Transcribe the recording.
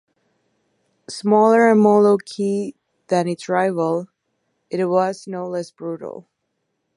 Smaller and more low-key than its rival, it was no less brutal.